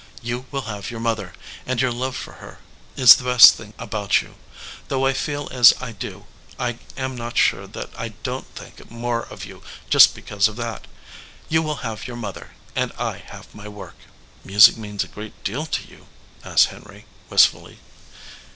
You will have your mother, and your love for her is the best thing about you. Though I feel as I do, I am not sure that I don t think more of you just because of that. You will have your mother, and I have my work." "Music means a great deal to you?" asked Henry, wistfully.